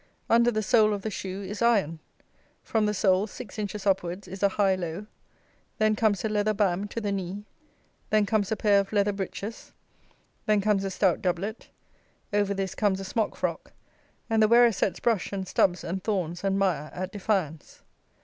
Under the sole of the shoe is iron; from the sole six inches upwards is a high low; then comes a leather bam to the knee; then comes a pair of leather breeches; then comes a stout doublet; over this comes a smock frock; and the wearer sets brush and stubs and thorns and mire at defiance.